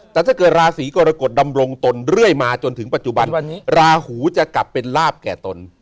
แต่ถ้าเกิดราศีกรกฎดำรงตนเรื่อยมาจนถึงปัจจุบันราหูจะกลับเป็นลาบแก่ตน